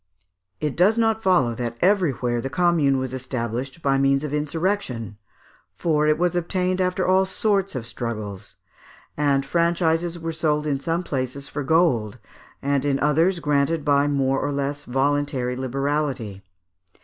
It does not follow that everywhere the Commune was established by means of insurrection, for it was obtained after all sorts of struggles; and franchises were sold in some places for gold, and in others granted by a more or less voluntary liberality.